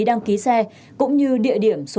đăng ký xe cũng như địa điểm số